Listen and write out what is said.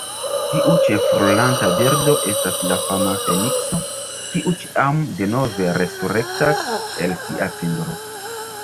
Tiu ĉefrolanta birdo estas la fama fenikso, kiu ĉiam denove resurektas el sia cindro.